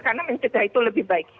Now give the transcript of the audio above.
karena mencegah itu lebih baik